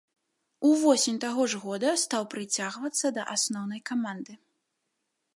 Увосень таго ж года стаў прыцягвацца да асноўнай каманды.